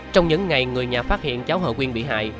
trong những ngày người nhà phát hiện cháu hồ quyền bị hại